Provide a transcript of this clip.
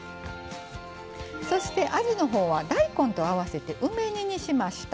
そしてあじの方は大根と合わせて梅煮にしました。